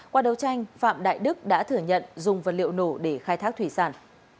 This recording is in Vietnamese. qua đấu tranh phạm đại đức đã thử nhận dùng vật liệu nổ để khai thác thủy sản